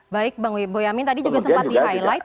baik bang boyamin tadi juga sempat di highlight